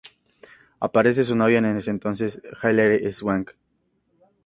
Aparece su novia en ese entonces Hilary Swank.